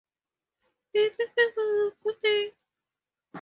I think Thursday is a good day.